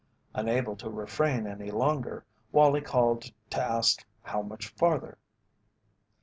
Unable to refrain any longer, Wallie called to ask how much farther.